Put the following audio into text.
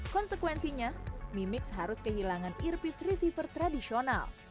konsekuensinya mi mix harus kehilangan earpiece receiver tradisional